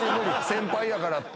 先輩やからって。